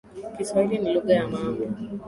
Kiswahili ni lugha ya mama.